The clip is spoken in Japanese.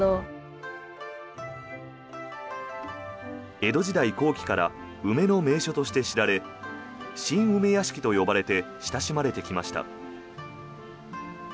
江戸時代後期から梅の名所として知られ新梅屋敷と呼ばれて親しまれてきました。